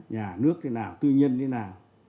nhà nước thế nào tư nhân thế nào